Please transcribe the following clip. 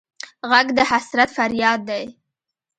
غږ د حسرت فریاد دی